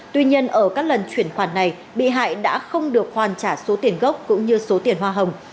tuy nhiên ở các lần chuyển khoản này bị hại đã không được hoàn trả số tiền gốc cũng như số tiền hoa hồng